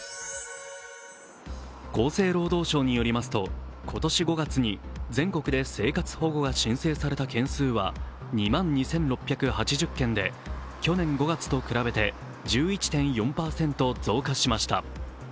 厚生労働省によりますと今年５月に全国で生活保護が申請された件数は２万２６８０件で、去年５月と比べて１１．４％増加しました。